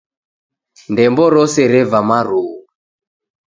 Ndembo rose reva marughu.